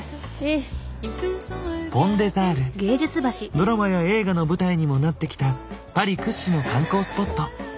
ドラマや映画の舞台にもなってきたパリ屈指の観光スポット。